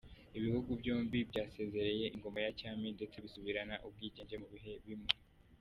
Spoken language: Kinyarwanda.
Ibihugu byombi byasezereye ingoma ya cyami ndetse bisubirana ubwigenge mu bihe bimwe.